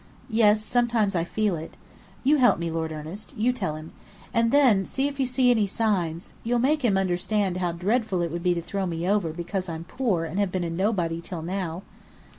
"Yes sometimes I feel it. You help me, Lord Ernest. You tell him. And then, if you see any signs you'll make him understand how dreadful it would be to throw me over because I'm poor and have been a nobody till now?"